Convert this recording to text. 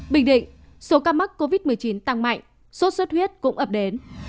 bình định số ca mắc covid một mươi chín tăng mạnh số suất huyết cũng ập đến